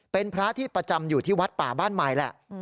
เป็นพระที่ประจำอยู่ที่วัดป่าบ้านใหม่แหละ